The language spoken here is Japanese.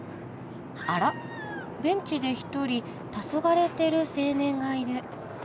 あらベンチで一人たそがれてる青年がいる。